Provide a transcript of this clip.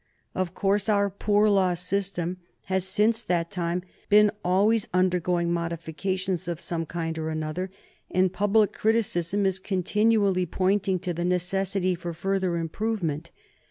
Of course, our poor law system has since that time been always undergoing modifications of one kind or another, and public criticism is continually pointing to the necessity for further improvement.